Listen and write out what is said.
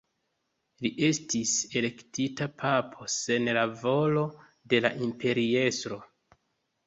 Li estis elektita papo sen la volo de la imperiestro.